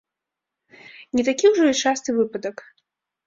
Не такі ўжо і часты выпадак.